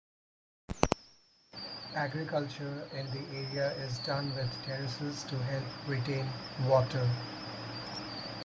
Agriculture in the area is done with terraces to help retain water.